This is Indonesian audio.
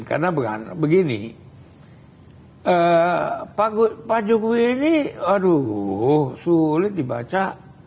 karena begini pak jokowi ini aduh sulit dibaca